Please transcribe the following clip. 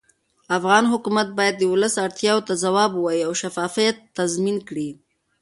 افغان حکومت باید د ولس اړتیاوو ته ځواب ووایي او شفافیت تضمین کړي